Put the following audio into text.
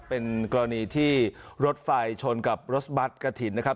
เป็นกรณีที่รถไฟชนกับรถบัตรกระถิ่นนะครับ